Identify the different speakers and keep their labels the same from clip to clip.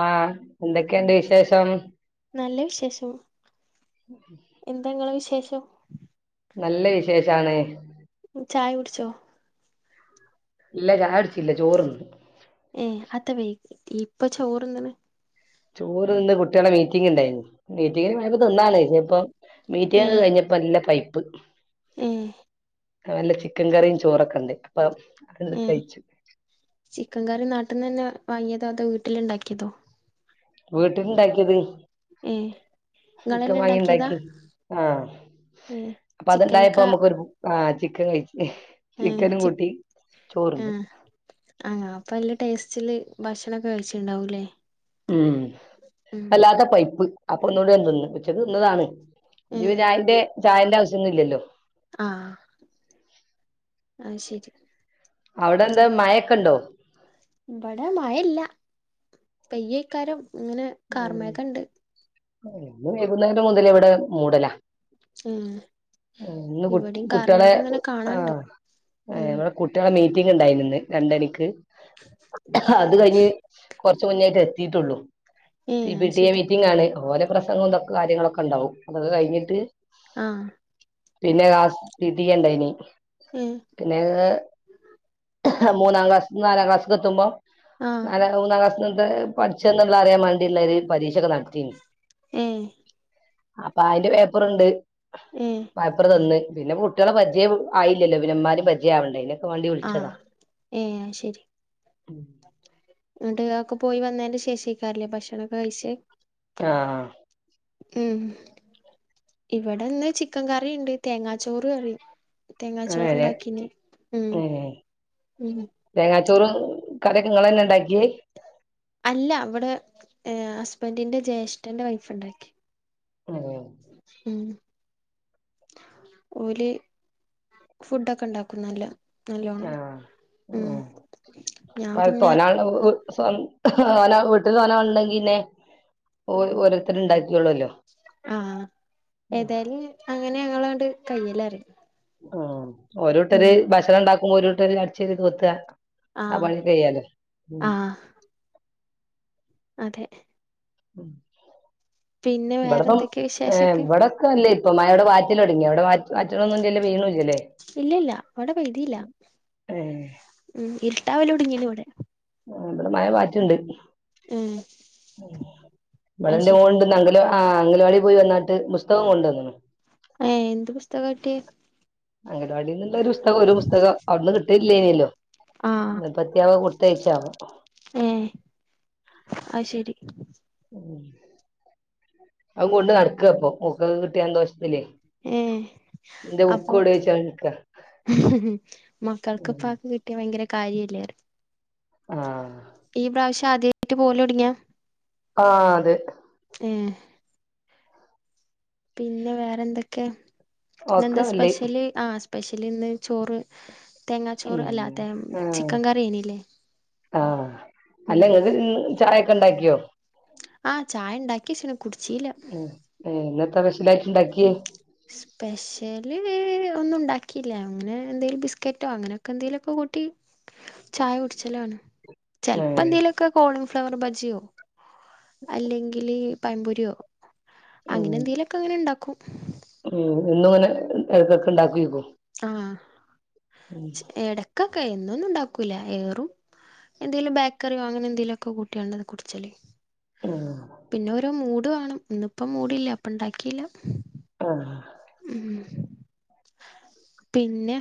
Speaker 1: ആഹ് എന്തൊക്കെയുണ്ട് വിശേഷം?
Speaker 2: നല്ല വിശേഷം. എന്താ ഇങ്ങളെ വിശേഷം?
Speaker 1: നല്ല വിശേഷാണ്.
Speaker 2: ചായ കുടിച്ചോ?
Speaker 1: ഇല്ല ചായ കുടിച്ചില്ല ചോറുണ്ട്.
Speaker 2: ഏ അത്ത വൈകി ഇപ്പൊ ചോറ് എന്തണ്?
Speaker 1: ചോറ് ഇന്ന് കുട്ടികളുടെ മീറ്റിംഗ് ഉണ്ടായിരുന്നു. മീറ്റിങ്ങിന് പോയപ്പം തിന്നാല് ഇനിയിപ്പം മീറ്റിഗ് ഒക്കെ കഴിഞ്ഞപ്പോ നല്ല പൈ പ്പ്
Speaker 2: ഉം
Speaker 1: നല്ല ചിക്കൻ കറിയും ചോറൊക്കെ ഉണ്ട് അപ്പം
Speaker 2: ഉം ചിക്കൻ കറി ന ട്ടിന്ന് തന്നെ വാങ്ങിയതാ അതോ വീട്ടില് ഉണ്ടാക്കിയതോ?
Speaker 1: വീട്ടിലുണ്ടാക്കിയത്.
Speaker 2: ഏ
Speaker 1: ചിക്കൻ
Speaker 2: ഇങ്ങളെന്നെ
Speaker 1: വാങ്ങി
Speaker 2: ഇണ്ടാക്കിയതാ
Speaker 1: ഉണ്ടാക്കി ആഹ്
Speaker 2: ഏ
Speaker 1: അപ്പൊ അതുണ്ടായപ്പോ
Speaker 2: ചിക്കനൊക്കെ
Speaker 1: നമുക്കൊരു ആഹ് ചിക്കൻ കഴിച്ച്.
Speaker 2: ഏ
Speaker 1: ചിക്കനും
Speaker 2: ചി
Speaker 1: കൂട്ടി ചോറുണ്ട്.
Speaker 2: അപ്പം നല്ല ടേസ്റ്റില് ഭക്ഷണമൊക്കെ കഴിച്ചിട്ടുണ്ടാവൂല്ലേ
Speaker 1: ഉം അല്ലാത്ത പൈപ്പ് അപ്പൊ ഒന്ന്കൂടെ തിന്ന് ഉച്ചക്ക് തിന്നതാണ് ഇഞ്
Speaker 2: ഉം
Speaker 1: പിന്നെ അയിന്റെ ചായന്റെ ആവിശ്യംന്നും ഇല്ലല്ലോ
Speaker 2: ആ അശരി
Speaker 1: അവിടെ എന്താ മഴൊക്ക ഇണ്ടോ
Speaker 2: ഇവിടെ മഴല്ല പെയ്യേക്കാരം ഇങ്ങനെ കാർമ്മയൊക്കെണ്ട്
Speaker 1: ഇന്ന് വൈകുന്നേരം മുതല ഇവിടെ മൂടല
Speaker 2: ഉം
Speaker 1: ഇന്ന്
Speaker 2: ഇവിടിം
Speaker 1: കുട്ടികളെ
Speaker 2: കാർമേഘങ്ങനെ
Speaker 1: ആ
Speaker 2: കാണാണ്ട് ഉം
Speaker 1: മ്മെ കുട്ടികളെ മീ റ്റിംഗ് ണ്ടായിരുന്നു രണ്ടണിക്ക് അത് കഴിഞ്ഞ് കുറച്ച് മുന്നോയിട്ട് എത്തിട്ടുള്ളൂ
Speaker 2: ഏ
Speaker 1: സി പി
Speaker 2: അത്
Speaker 1: ടി എ
Speaker 2: ശരി
Speaker 1: മീറ്റിംഗ് ആണ് ഓരെ പ്രസംഗം ഇതൊക്കെ കാര്യങ്ങളൊക്കെ ഉണ്ടാവും അതൊക്കെ കഴിഞ്ഞിട്ട്
Speaker 2: ആ
Speaker 1: പിന്നെ ക്ലാസ് പിടി എ ണ്ടയിനി
Speaker 2: ഏ
Speaker 1: പിന്നെ മൂന്നാം ക്ലാസ് നാലാം ക്ലാസ് എത്തുമ്പോ
Speaker 2: ആഹ്
Speaker 1: നാല മൂന്നാ ക്ലാസ് - - തെ പഠിച്ച ള അറിയാവാണ്ടില്ലാര് പരീഷക്കെ നടത്തിനി
Speaker 2: ഏഹ്
Speaker 1: അപ്പൊ അതിന്റെ പേപ്പറുണ്ട്
Speaker 2: ഏഹ്
Speaker 1: പാപ്പറ് തന്ന് പിന്നെ കുട്ടികളെ പരിജയ ആയില്ലോ വിനന്മാര് ഭജ ആവണ്ടതിന്
Speaker 2: ആ ഏ അശരി
Speaker 1: ഉം
Speaker 2: ന്നങ്ങട്ട് ആക്കെ പോയി വന്നതില് ശേഷിക്കാറില്ലേ ഭക്ഷണക്കെ കഴിച്ചെ
Speaker 1: ആ
Speaker 2: ഉം ഇവിടെ ഇന്ന് ചിക്കൻ കറിണ്ട് തേങ്ങാച്ചോറ് കറി തെങ്ങാച്ചോറ്
Speaker 1: അങ്ങനെ
Speaker 2: ഉണ്ടാക്കിനി ഉ
Speaker 1: ഉം
Speaker 2: ഉ
Speaker 1: തേങ്ങാച്ചോറും കറിയൊക്കെ ഇങ്ങളഞ്ഞെ ഉണ്ടാക്കിയ
Speaker 2: അല്ല ഇവിടെ ഹസ് ഹബന്റിന്റെ ജ്യേഷ്ഠന്റെ വൈഫ് ഇണ്ടാക്കി
Speaker 1: ഉം
Speaker 2: ഉം ഓല് ഫുഡൊക്കെ ഇണ്ടാക്കും നല്ല നല്ലോണം
Speaker 1: ആഹ് ഉം
Speaker 2: ഞാൻ
Speaker 1: പല
Speaker 2: പിന്നെ
Speaker 1: തോനാലു സൊൻ സോന വീട്ടിൽ സോന ഇണ്ടെങ്കില് ഓരോരുത്തരും ഇണ്ടാക്കിക്കോളുല്ലോ
Speaker 2: ആഹ് ഏതായാലും അങ്ങനെ ഞങ്ങള് ത് കയ്യിലേറി
Speaker 1: ആഹ് ഓരുട്ടര് ഭക്ഷണം ഇണ്ടാക് ഓരുട്ടര് അടിച്ചത് ത് കൊത്തുക. ആ
Speaker 2: ആഹ്
Speaker 1: പണി കയ്യല്ലേ?
Speaker 2: ആഹ് അതെ.
Speaker 1: ഉം.
Speaker 2: പിന്നെ
Speaker 1: ഇവിടിപ്പം
Speaker 2: വേറെന്തൊക്കെയാ
Speaker 1: ഏഹ്
Speaker 2: വിശേഷൊക്കെ
Speaker 1: ഇവിടൊക്കെ അല്ലേ. ഇപ്പം മഴവിടെ പാറ്റലൊടങ്ങി അവിടെ പാറ്റ് പാറ്റലൊന്നുല്ലല്ലോ വീണൂ ഇല്ലല്ലേ.
Speaker 2: ഇല്ല ഇല്ല ഇവിടെ പെയ്തീല്ല
Speaker 1: ഏഹ്
Speaker 2: ഉം ഇർ രാവിലെ ഒടുങ്ങീന് ഇവിടെ.
Speaker 1: ഇവിടെ മഴ പാറ്റുണ്ട്.
Speaker 2: ഉം
Speaker 1: [unintelligible]
Speaker 2: അത് ശരി
Speaker 1: ആഹ് അംഗനവാടി പോയി വന്നാട്ട് ബുസ്തകം കൊണ്ടു വന്ന്ണ്.
Speaker 2: ഏഹ് എന്ത് പുസ്തകാ കിട്ടിയെ?
Speaker 1: അംഗനവാടിന്നുള്ള ഒരു പുസ്തകം ഒരു പുസ്തകം അവിടുന്ന് കിട്ടനില്ലേനിയല്ലോ [unintelligible] തേച്ചാവോ.
Speaker 2: ഏഹ് അയ് ശെരി.
Speaker 1: [unintelligible] ഔവുംകൊണ്ട് നടക്ക ഇപ്പോ ഓക്കതുകിട്ടിയ സന്തോഷത്തിലേ.
Speaker 2: ഏയ്
Speaker 1: എന്റെ
Speaker 2: അപ്പൊ
Speaker 1: ബുക്ക് എവിടെ
Speaker 2: മക്ക
Speaker 1: ചോയിച്ചാണ്ട് നിക്കാ
Speaker 2: [unintelligible] കിട്ടിയാ ഭയങ്കര കാര്യല്ലായിരുന്നു
Speaker 1: ആഹ്
Speaker 2: ഈ പ്രാവശ്യം ആദ്യയിട്ട് പോവല് തൊടങ്ങിയോ
Speaker 1: ആ അതെ
Speaker 2: മ് പിന്നെ വേറെ എന്തൊക്കെയാ ഇന്ന്
Speaker 1: ഒക്കെ
Speaker 2: എന്താ
Speaker 1: നല്ലേ
Speaker 2: സ്പെഷല് ആ സ്പെഷ്യല് ഇന്ന് ചോറ്
Speaker 1: ഉം
Speaker 2: തേങ്ങാച്ചോറ് അല്ല തേ
Speaker 1: ആഹ്
Speaker 2: ചിക്കൻ കറിയേനില്ലേ
Speaker 1: ആ ഹ് അല്ല
Speaker 2: ഉം
Speaker 1: നിങ്ങക്ക് ചായൊക്കെ ഒണ്ടാക്കിയോ
Speaker 2: ആ ചായ ഇണ്ടാക്കി [unintelligible]
Speaker 1: ഉം ഇന്നത്തെ സ്പെഷ്യല് ഉണ്ടാക്യാ
Speaker 2: സ്പെഷ്യല് ഇവിടൊന്നുണ്ടാകീല ഇൻന്ന ന്തേലും ബിസ്ക്കെറ്റൊ അങ്ങനെക്കൊണ്തെലൊക്കെകൂട്ടി ചായ കുടിച്ചേലോ ചെൽപോ
Speaker 1: ഏഹ്
Speaker 2: എന്തെലൊക്കേ കോള് ഫ്ലവർ ബജ്ജിയോ അല്ലെങ്കില് പൈപൊരിയോ അങ്ങനെ എന്തെലൊക്കേ ങ്ങനെ ഉണ്ടാകും
Speaker 1: ഓ ഇന്നുന്നു ഇതൊക്കെണ്ടാക്കി ക്കും [unintelligible]
Speaker 2: ങാ [inaudible] ച് ഇടക് കൈന്നുന്നുണ്ടാകൂല ഏറും എന്തേലും ബേക്കറി വാങ്ങുന്നെന്തേലുക്കെ കൂട്ടി അന്നേ [unintelligible] കുടിച്ചാല്
Speaker 1: ആഹ്
Speaker 2: പിന്നെ ഒരു മൂട് തുവേണം ഇന്നുപ്പം മൂടില്ല പ്പൻഡകീല
Speaker 1: ആഹാ
Speaker 2: ഉം----ഹ [unintelligible] പിന്നെ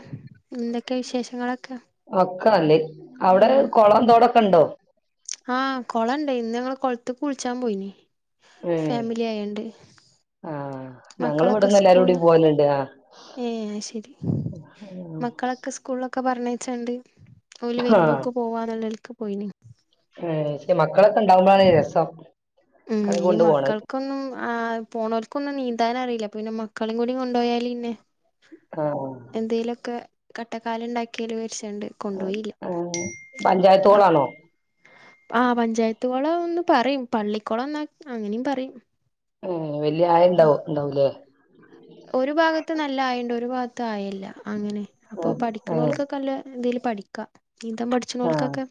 Speaker 2: എന്തൊക്കെ വിശേഷങ്ങളൊക്കെ
Speaker 1: ക്ക അല്ലേ അവട് കോളോം തോടൊക്കെണ്ടോ
Speaker 2: ആ... കോളണ്ട് ഇന്നങ്ങള് കോളത് കുൾച്ചപോയ്ന്
Speaker 1: ഏഹ്
Speaker 2: ഫാമിലി ആയണ്ട്
Speaker 1: ആഹ് ഞങ്ങള് ഇവിടുന്ന് എല്ലാരുടി പോയന്നുണ്ട് ആ
Speaker 2: ഏ ശെരി മക്കളൊക്കെ സ്കൂളില് [inaudible] ക്ക പർണയ്ച്ചാണ്ട് തോല് വരുമ്പോക്ക് പോവാനുലോൽക്ക് പോയ്ന്
Speaker 1: മ്മ് മക് [unintelligible] അതൊക്കെണ്ടാകുമ്പോഴാണ് രസം
Speaker 2: ഉം
Speaker 1: മക്കളെ
Speaker 2: ഇനി
Speaker 1: കൊണ്ട് പോണത്
Speaker 2: മക്കൾക്കൊന്നും ആ പോണോര് ക്കുന്നുനീന്തനറില്ല പിന്നെ മക്കളെങ്ങൂടി കൊണ്ടോയലിന്നെ
Speaker 1: ആഹ്
Speaker 2: എന്തിലൊക്കെ കട്ടക്കലിണ്ടാകീല് വെച്ച്
Speaker 1: പഞ്ചയത്തോളാണോ
Speaker 2: ആ പഞ്ചായത്ത് കോളന്നു പറയ് പള്ളി കോളന്നു അങ്ങനേം പറയും
Speaker 1: ആ ഏഹ് വെല്ല്യേ ആയം ഇണ്ടാവോ ഇണ്ടാവുലേ
Speaker 2: ഒരു ഭാഗത്ത് നല്ല ആയണ്ട് ഒരു ഭാഗത്ത് ആയൽ ല അങ്ങനെ അപ്പൊ
Speaker 1: ആഹ്
Speaker 2: പഠിക്ക്ണോൽ
Speaker 1: ഏഹ്
Speaker 2: ക്കൊക്കെ അല്ലെ എന്തേലും പഠിക്കാ നീന്താം
Speaker 1: ആഹ്
Speaker 2: പഠിച്ച്നോൽക്കെക്കെ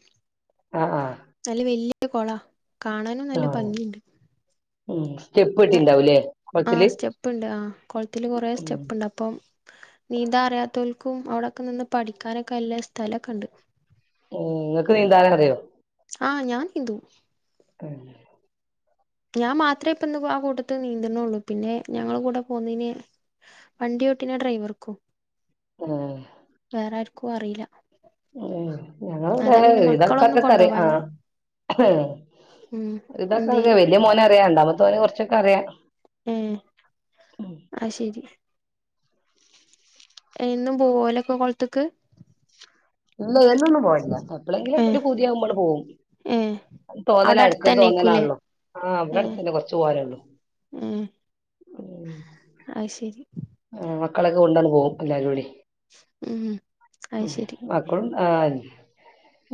Speaker 1: ആഹ് ആഹ്
Speaker 2: നല്ല വെല്യെ [unintelligible] കൊളാ കാണാനും നല്ല
Speaker 1: ആഹ്
Speaker 2: ഭംഗിയുണ്ട്
Speaker 1: ഉം സ്റ്റെപ്പെട്ടീണ്ടാവുല്ലേ
Speaker 2: ആഹ് സ്റ്റെപ്പ്ണ്ട് ആഹ് കൊൾത്തില് കൊറേ
Speaker 1: ഉം
Speaker 2: സ്റ്റെപ്പ്ണ്ട് അപ്പം നീന്താൻ അറ്യാത്തോൽ ക്കും അവടെക്കെ ന്ന്ന് പഠിക്കാനൊക്കെ നല്ലെ സ്ഥലൊക്കെണ്ട്
Speaker 1: ഉം ങ്ങക്ക് നീന്താനറിയോ
Speaker 2: ആഹ് ഞാൻ നീന്തും
Speaker 1: [inaudible]
Speaker 2: ഞാം മാത്രേ പ്പന്ന് ആ കൂട്ടത്ത് നീന്തണൊള്ളൂ പിന്നെ ഞങ്ങളെ കൂടെ പോന്നീനെ വണ്ടി ഓട്ടീന്നെ ഡ്രൈവർക്കും വേറാര് ക്കും അറീല
Speaker 1: ഞങ്ങളെ ഇവടെ
Speaker 2: മക്കളൊന്നും
Speaker 1: വിധാൾക്കാര്
Speaker 2: കൊണ്ടോവാഞ്ഞെ
Speaker 1: ആഹ്
Speaker 2: ഉം
Speaker 1: [unintelligible]
Speaker 2: എന്തേലും
Speaker 1: വെല്ല്യേ മോന രണ്ടാമത്തോന് കൊർച്ചോക്കറ്യാ
Speaker 2: ഉം അത്ശെരി എന്നും പോവോ ഓലൊക്കെ പൊൾത്ത്ക്ക്
Speaker 1: ഇല്ല എന്നൊന്നും പോവലില്ല എപ്ലെങ്കിലൊക്കെര്
Speaker 2: ഏഹ്
Speaker 1: പൂത്യാകുമ്പള് പോവും
Speaker 2: ഏഹ് അവിടെ
Speaker 1: തോന്നലാ എടക്കൊര്
Speaker 2: അടുത്തന്നേക്കൂലേ
Speaker 1: തോന്നലാണല്ലോ ആഹ് വടെ
Speaker 2: ഏഹ്
Speaker 1: അട്ത്തന്നെ കൊർച്ച് പോവാനൊള്ളു
Speaker 2: ഏഹ്
Speaker 1: ഉം
Speaker 2: അത് ശെരി
Speaker 1: ആഹ് മക്കളൊക്കെ കൊണ്ടാണ് പോവും എല്ലാരൂടി.
Speaker 2: ഉം അത് ശെരി
Speaker 1: മക്കളും ആഹ്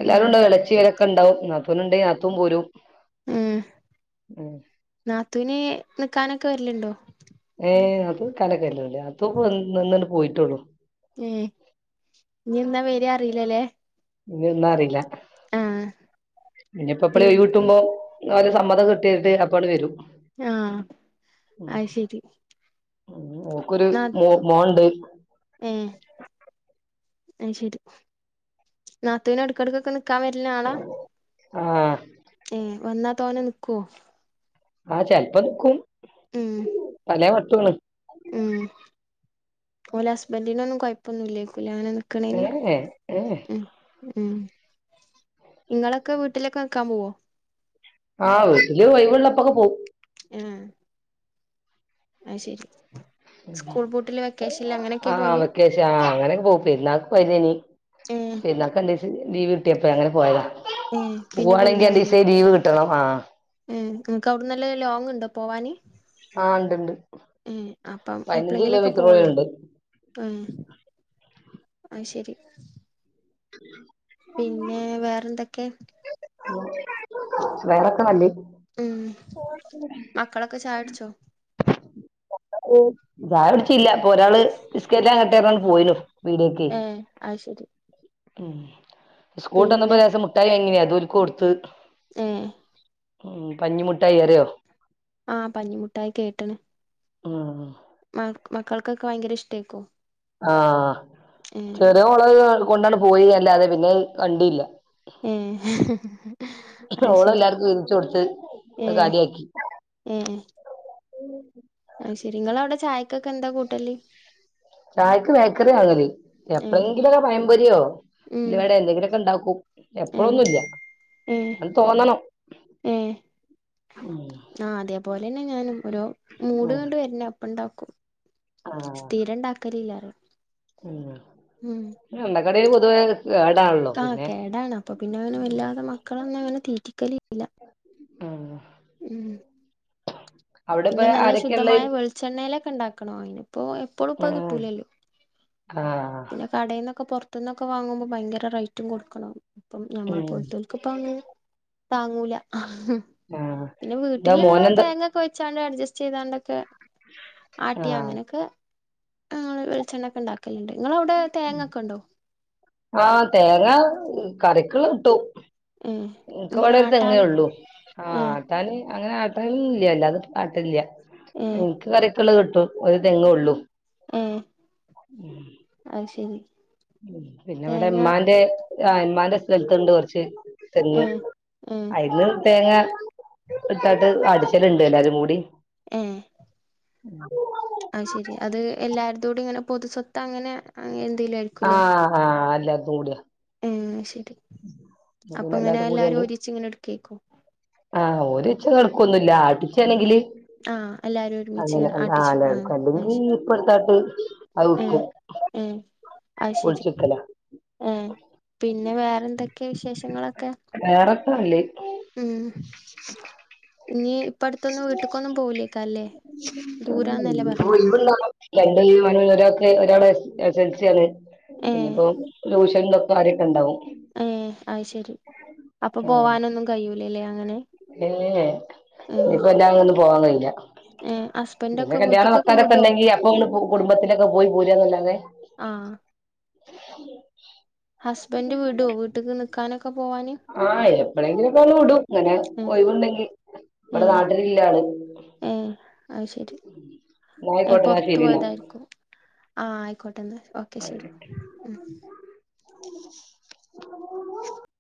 Speaker 1: എല്ലാരൂണ്ടാവും എളച്ചി ഓലൊ ക്കെണ്ടാവും നാത്തൂന് ണ്ടെങ്കി നാത്തും പോരും
Speaker 2: ഉം
Speaker 1: ഉം
Speaker 2: നാത്തൂന് നിക്കാനൊക്കെ വെര്ല്ണ്ടോ
Speaker 1: പ്പ ന്ക്കാനൊക്കെ വെര്ല്ണ്ട് നാത്തൂപ്പന്ന്ന്നണ് പോയി ട്ടൊള്ളൂ
Speaker 2: ഏഹ് ഇഞ്ഞെന്നാ വെരാ അറീലലെ
Speaker 1: ഇഞ്ഞെന്നാ അറീല ഇഞ്ഞി പ്പെ പ്ളേ
Speaker 2: പിൻ
Speaker 1: ഒഴ്വ് കിട്ട് മ്പോ ന്നഒരു സമ്മതം കിട്ടിയിട്ട് അപ്പണ്ട് വരും
Speaker 2: ആഹ് അഹ് ശരി
Speaker 1: മോക്കൊരു
Speaker 2: നാ
Speaker 1: മോ മോണ്ട്
Speaker 2: അഹ് ശരി നാത്തൂന് എട്കട്ക്കൊക്കെ നിക് ക്കാ വര്ന ആളാ
Speaker 1: ആഹ്
Speaker 2: ഏ വന്നാ തോനെ നിക്കോ
Speaker 1: ആ ചെൽപ്പോ നിക്കും
Speaker 2: ഉം
Speaker 1: ല്ലേ പറ്റുള്ളു
Speaker 2: ഉം ഓലെ ഹസ്ബൻഡിനൊന്നും കൊയ് പൊന്നുല്ലെയ്കു കുലെ ങ്ങനെ
Speaker 1: ഏ
Speaker 2: നിക്കണേയ്ന്
Speaker 1: ഏ ഏ
Speaker 2: ഉം ഉം നിങ്ങളൊക്കെ വീട്ടിലൊക്കെ കാമ്പോവോ
Speaker 1: ആഹ് വീട്ടില് ഒഴിവുള്ളപ്പോൾ പോവും
Speaker 2: ഉം അഹ് ശരി സ്കൂൾ പൂട്ടില് വെക്കേഷനില് അങ്ങനെയൊക്കെയാ
Speaker 1: ആഹ്
Speaker 2: പോവല്
Speaker 1: വെക്കഷൻ ആ അങ്ങനെക്കെ പോകും പെരുന്നാൾക് പോയതേനി
Speaker 2: ഏഹ്
Speaker 1: പെര്ന്നാക്കെന്തേചെയ്യ ലീവ് കിട്ട്യപ്പോ അങ്ങനെ പോയതാ
Speaker 2: ഏഹ് പിന്നെ
Speaker 1: പോവാണെങ്കിരണ്ടീസേ ലീവ് കിട്ടണം ആഹ്
Speaker 2: നിൻക്ക്ക് അവിടുന്നല്ലെ ലോങ്ണ്ടോ പോവാന്
Speaker 1: ആ ണ്ട്ണ്ട്
Speaker 2: ഏ അപ്പം എപ്പഴെങ്കിലൊക്കെ പോവൊള്ളെ
Speaker 1: ഉണ്ട്
Speaker 2: ഉം അഹ് ശരി പിന്നെ വേറെന്തൊക്കെ
Speaker 1: വേറൊക്കെ നല്ലഹ്
Speaker 2: ഉം മക്കളൊക്കെ ചായുട്ച്ചോ
Speaker 1: ഉം ചായുട്ച്ചീല്ല ഒരാള് ബിസ്കറ്റ് മാങ്ങട്ടെ പറഞ്ഞാണ്ട് പോയിനു പീടിയേക്ക്
Speaker 2: ഏ അയ് ശരി
Speaker 1: ഉം സ്കൂൾട്ടന്നപ്പോ
Speaker 2: പിന്നെ
Speaker 1: ലെസം മുട്ടായി വാങ്ങി നി അത് ഓല്ക്ക് കൊടുത്ത്
Speaker 2: ഏ
Speaker 1: ഉം പഞ്ഞിമുട്ടായി അറിയോ?
Speaker 2: ആ പഞ്ഞിമുട്ടായി കേട്ട്ണ്
Speaker 1: ആഹ്
Speaker 2: മ മക്കൾക്കൊക്കെ ഭയങ്കര ഇഷ്ടയ്ക്കും
Speaker 1: ആഹ് ചെറിയവോൾ കൊണ്ടാണ്ട് പോയി അല്ലാതെ പിന്നെ കണ്ടില്ല
Speaker 2: ഏ അത്
Speaker 1: ഓള്
Speaker 2: ശരി
Speaker 1: എല്ലാർക്കും വീതിച്ചു കൊടുത്ത് അത്
Speaker 2: ഏ ഏ
Speaker 1: ഉം
Speaker 2: ശെരി നിങ്ങളവിടെ ചായക്കൊക്കെ എന്താ കൂട്ടല്
Speaker 1: ചായക്ക് ബേക്കറ്യാ ആങ്ങല്
Speaker 2: ഏ
Speaker 1: എപ്പളെങ്കിലൊരു പയം പൊരി യോ
Speaker 2: ഉം
Speaker 1: ഉള്ളി വടയോ എന്തെങ്കിലൊക്കെ ഉണ്ടാക്കും
Speaker 2: ഏ
Speaker 1: എപ്പഴൊന്നുംല്ല
Speaker 2: ഏ
Speaker 1: അത് തോന്നണം
Speaker 2: ഏ
Speaker 1: ഉം
Speaker 2: ആ അതേപോലെന്നെ ഞാനും ഓരോ മൂഡ്
Speaker 1: ഉം
Speaker 2: ങ്ങട് വരണം അപ്പണ്ടാക്കും
Speaker 1: ആഹ്
Speaker 2: സ്ഥിരം ണ്ടാക്കലില്ല
Speaker 1: ഉം
Speaker 2: ഉം
Speaker 1: [unintelligible]
Speaker 2: ആഹ്
Speaker 1: പിന്നെ
Speaker 2: കേടാണ് അപ്പൊ പിന്നെ അങ്ങനെ വല്ലാതെ മക്കളൊന്നും അങ്ങനെ തീറ്റിക്കലില്ല.
Speaker 1: ഉം
Speaker 2: ഉം
Speaker 1: അവിടെപ്പ
Speaker 2: പിന്നെ നല്ല
Speaker 1: ആരൊക്കെയുള്ളേ
Speaker 2: ശുദ്ധമായ വെളിച്ചെണ്ണയിലൊക് പ്പണ്ടാക്കണോ അയിന് ഇപ്പൊ എപ്പളുംപ്പ അഹ്
Speaker 1: ആഹ്
Speaker 2: കിട്ടൂലല്ലോ
Speaker 1: ആഹ്
Speaker 2: പിന്നെ കടേന്നൊക്കെ പൊർ ത്തുന്നൊക്കെ വാങ്ങുമ്പോൾ ഭയങ്ക റേറ്റും കൊടുക്കണം. ഇപ്പം
Speaker 1: ഉം
Speaker 2: നമ്മളെപ്പോൽത്തോൽക്ക് ഇപ്പാണ് താങ്ങൂല ഹും
Speaker 1: ആഹ്
Speaker 2: പിന്നെ
Speaker 1: എന്താ
Speaker 2: വീട്ടിലുള്ള-
Speaker 1: മോനെന്താ
Speaker 2: തേങ്ങക്കൊയ് ച്ചാണ്ട് അഡ്ജസ്റ്റ് ചെയ്താണ്ടൊക്കെ ആട്ടിയാ
Speaker 1: ആഹ്
Speaker 2: അങ്ങനക്ക്- അ വെളിച്ചെണ്ണ ക്കെ ണ്ടാക് ഇണ്ട് നിങ്ങളവിടെ തേങ്ങൊക്കെ ഉണ്ടോ?
Speaker 1: ആഹ് തേങ്ങ കറിക്ക് ള്ളത് കിട്ടും.
Speaker 2: ഏ ഇങ്ങനെ
Speaker 1: ഇൻക്കിവിടെ ഒരുതെങ്ങേ.
Speaker 2: ആട്ടാന്
Speaker 1: ഉള്ളൂ ആ
Speaker 2: ഏ
Speaker 1: ആട്ടാന് അങ്ങനെ ആട്ടും ഇല്ല്യല്ലാ അത് ആട്ടലില്ല
Speaker 2: ഏ
Speaker 1: എനിക്ക് കറി ക്കള് കിട്ടും ഒരു തെങ്ങേ ഉള്ളൂ
Speaker 2: ഉം ആയ് ശരി
Speaker 1: ഉം പിന്നെവിടെ
Speaker 2: തേങ്ങ
Speaker 1: ഉമ്മാന്റെ ആ ഇമ്മാന്റെ സ്ഥലത്തുണ്ട് കെറച്ച് തെങ്ങ്
Speaker 2: ഏ ഏ
Speaker 1: ആയിന്ന് തേങ്ങ ഇട്ടാട്ട് അടിച ല്ണ്ട് [unintelligible] എല്ലാരും കൂടി
Speaker 2: ഉം
Speaker 1: ഉം
Speaker 2: പൊതു സ്വത്ത് അങ്ങനെ അങ്ങെ
Speaker 1: ആഹ് ആഹ് അൽ ല്ലാർതും കൂട്യ
Speaker 2: ഉം ശെരി
Speaker 1: പെതുവെ എല്ലാരും ക്കൂട്യാണ്ട്
Speaker 2: ഒരുമിച്ച് ഇങ്ങനെ എടുക്കേക്കും
Speaker 1: ആഹ് ഒരു മിച്ച് കെടക്കൊന്നുല്ല ആട്ച്ചണെങ്കില്
Speaker 2: ആഹ് എല്ലാരും
Speaker 1: ആഹ്
Speaker 2: ഒരുമിച്ച്
Speaker 1: അങ്ങനെ
Speaker 2: ഇങ്ങനെ ആട്ടിച്ചു
Speaker 1: അല്ല
Speaker 2: ആഹ് അത്
Speaker 1: [unintelligible]
Speaker 2: ശരി
Speaker 1: ഇപ്പട്ത്താട്ട് അത്
Speaker 2: ഏഹ്
Speaker 1: വിക്കും
Speaker 2: ഏഹ് അത് ശെരി
Speaker 1: പൊളിച്ച് വിക്കലാ
Speaker 2: ഏഹ് പിന്നെ വേറെന്തൊക്കെ വിശേഷങ്ങളൊക്കെ
Speaker 1: വേറെത്താ നല്ലത്
Speaker 2: ഉം ഇഞ്ഞ് പ്പടുത്തുന്ന വിട്ട് ദൂരാന്നല്ലേ
Speaker 1: ഇപ്പോ
Speaker 2: പറഞ്ഞേ
Speaker 1: [unintelligible] ഒരാള് എസൽസ്യാണ്
Speaker 2: ഏഹ്
Speaker 1: പിന്നപ്പോ ടൂഷൻ ഉം ഇതൊക് കാര്യൊക്കെ ഇണ്ടാവും
Speaker 2: ഏഹ് അത് ശരി അപ്പൊ പോവാനൊന്നും കഴിയൂലല്ലേ അങ്ങനെ
Speaker 1: ഏ
Speaker 2: ഏഹ്
Speaker 1: ഇയിപ്പൊ അങ്ങെ ഒന്ന് പോവാൻ കയി ല്ല
Speaker 2: ഏഹ്
Speaker 1: പിന്നെ
Speaker 2: ഹസ്ബൻഡൊക്കെ
Speaker 1: കല്യാണം
Speaker 2: വീട്ട്ക്കൊക്കെ
Speaker 1: വക്കാനൊക്കെ
Speaker 2: വിടോ
Speaker 1: ഉണ്ടെങ്കി അപ്പൊ ഇ കുടുംബത്തിനൊക്കെ പോയി പൊരെനിന്ന് [inaudible]
Speaker 2: ആഹ് ഹസ്ബൻഡ് വിടോ വീട്ട്ക്ക് നിക്കാനൊക്കെ പോവാന്
Speaker 1: ആഹ എപ്പോഴെങ്കിലുംഒക്കെ വിടും ഇങ്ങനെ
Speaker 2: ഏഹ്
Speaker 1: ഒയിവുണ്ടെങ്കി ഇവിടെ
Speaker 2: ഏഹ്
Speaker 1: നാട്ടില്ലില്ലാള്
Speaker 2: ഏഹ് അത് ശരി
Speaker 1: ഉമ്മായും ക്കോട്ടെങ്ങെശേരിലാ
Speaker 2: ആഹ ആയിക്കോ ട്ടെ ഓക്കെ ശരി ഉം
Speaker 1: [inaudible]